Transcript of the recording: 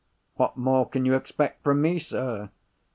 "What more can you expect from me, sir?"